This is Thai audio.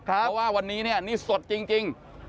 เพราะว่าวันนี้นี่สดจริง